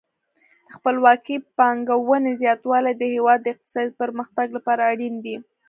د خپلواکې پانګونې زیاتوالی د هیواد د اقتصادي پرمختګ لپاره اړین دی.